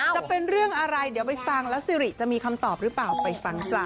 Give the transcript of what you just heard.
จะเป็นเรื่องอะไรเดี๋ยวไปฟังแล้วซิริจะมีคำตอบหรือเปล่าไปฟังจ้ะ